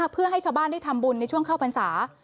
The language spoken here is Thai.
เพื่อให้ชาวบ้านได้ทำบุญในช่วงเข้าพรรษา